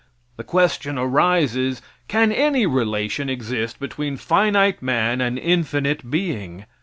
The question arises, Can any relation exist between finite man and infinite being?